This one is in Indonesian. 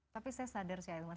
tapi saya sadar sih ailman